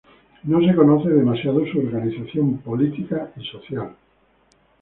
No se conoce demasiado su organización política y social.